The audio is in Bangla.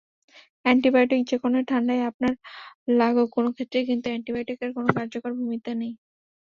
অ্যান্টিবায়োটিক—যে ধরনের ঠান্ডাই আপনার লাগুক, কোনো ক্ষেত্রেই কিন্তু অ্যান্টিবায়োটিকের কোনো কার্যকর ভূমিকা নেই।